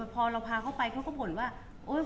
พอเราพาเข้าไปเขาก็ผลคำว่า